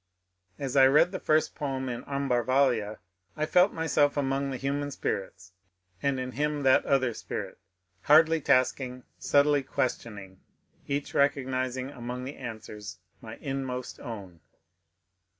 As I read the first poem in ^' Ambar valia," I felt myself among the human spirits, and in him that other spirit, " hardly tasking, subtly questioning " each, recog nizing among the answers my inmost own.